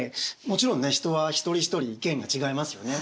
もちろんね人は一人一人意見が違いますよね。